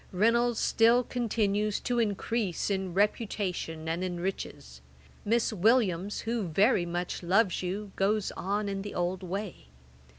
'Reynolds still continues to increase in reputation and in riches. Miss Williams, who very much loves you, goes on in the old way.